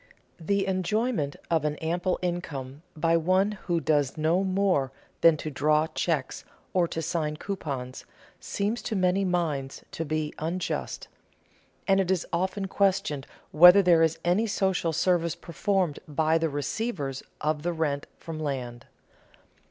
The enjoyment of an ample income by one who does no more than to draw checks or to sign coupons seems to many minds to be unjust; and it is often questioned whether there is any social service performed by the receivers of the rent from land.